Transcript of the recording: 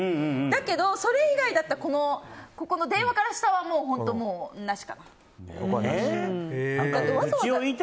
だけど、それ以外だったら電話から下はもう本当、なしかな。